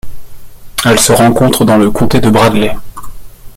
Elle se rencontre dans le comté de Bradley.